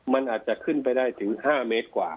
มันอาจจะขึ้นไปได้ถึง๕เมตรกว่า